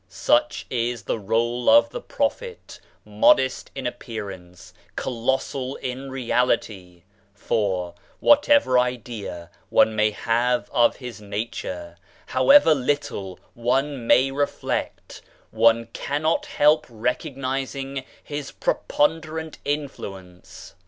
Such is the role of the Prophet, modest in appear ance, colossal in reality; for, whatever idea one may have of his nature, however little one may reflect, one cannot help recognising his preponderant influence.